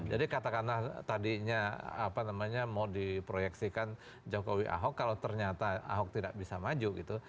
jadi katakanlah tadinya apa namanya mau diproyeksikan jokowi ahok kalau ternyata ahok tidak bisa maju gitu